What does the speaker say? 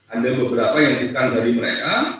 ada beberapa yang ditekan dari mereka